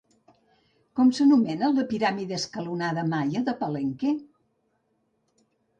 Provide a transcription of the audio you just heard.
Com s'anomena la piràmide escalonada maia de Palenque?